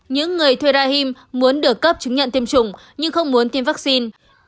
những người thuê rahim muốn được cấp chứng nhận tiêm chủng nhưng không muốn tiêm vaccine